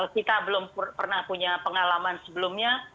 kita belum pernah punya pengalaman sebelumnya